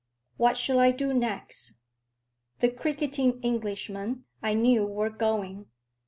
What should I do next? The cricketing Englishmen, I knew, were going.